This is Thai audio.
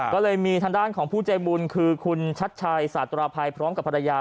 ก็เลยมีทางด้านของผู้ใจบุญคือคุณชัดชัยสาธาราภัยพร้อมกับภรรยา